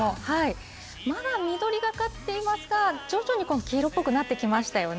まだ緑がかっていますが、徐々に黄色っぽくなってきましたよね。